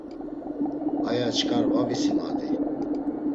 Aya çkar va visimadi.